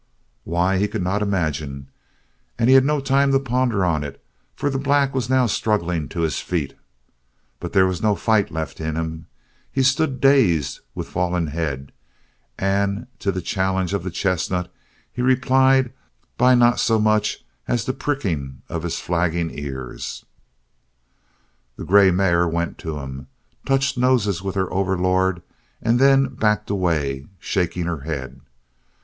Why, he could not imagine, and he had no time to ponder on it, for the black was now struggling to his feet. But there was no fight left in him. He stood dazed, with fallen head, and to the challenge of the chestnut he replied by not so much as the pricking of his flagging ears. The grey mare went to him, touched noses with her overlord, and then backed away, shaking her head.